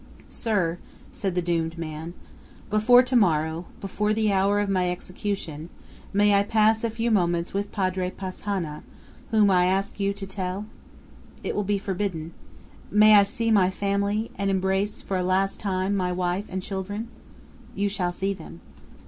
"Sir," said the doomed man, "before to morrow, before the hour of my execution, may I pass a few moments with Padre Passanha, whom I ask you to tell?" "It will be forbidden." "May I see my family, and embrace for a last time my wife and children?" "You shall see them."